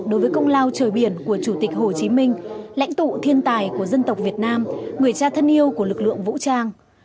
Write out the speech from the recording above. đối với công lao trời biển của chủ tịch hồ chí minh lãnh tụ thiên tài của dân tộc việt nam người cha thân yêu của lực lượng vũ trang